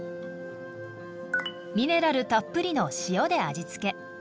ミネラルたっぷりの塩で味付け。